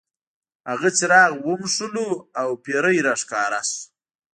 هغه څراغ وموښلو او پیری را ښکاره شو.